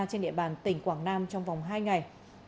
trên địa bàn tỉnh quảng nam trong vòng hai ngày